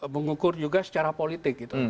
mengukur juga secara politik gitu